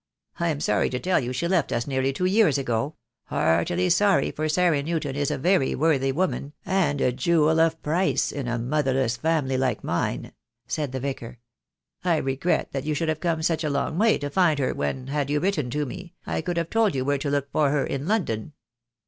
I am sorry to tell you she left us nearly two years ago — heartily sorry, for Sarah Newton is a very worthy woman, and a jewel of price in a motherless family like mine," said the Vicar. "I regret that you should have come such a long way to find her when, had you written to me, I could have told you where to look for her in London."